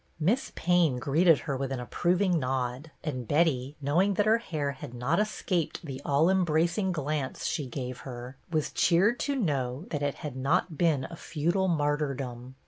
Miss Payne greeted her with an approving nod, and Betty, knowing that her hair had not escaped the all embracing glance she gave her, was cheered to know that it had not been a futile martyrdom.